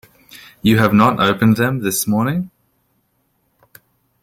You have not opened them this morning?